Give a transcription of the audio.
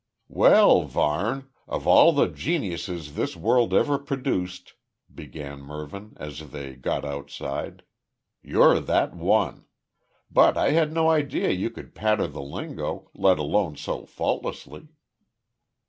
"Well, Varne! Of all the geniuses this world ever produced," began Mervyn, as they got outside "you're that one. But, I had no idea you could patter the lingo, let alone so faultlessly."